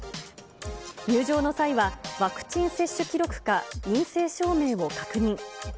入場の際は、ワクチン接種記録か陰性証明を確認。